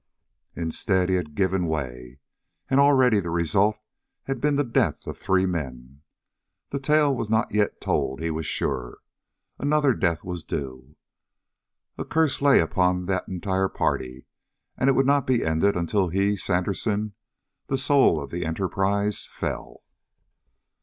Instead, he had given way; and already the result had been the death of three men. The tale was not yet told, he was sure. Another death was due. A curse lay on that entire party, and it would not be ended until he, Sandersen, the soul of the enterprise, fell.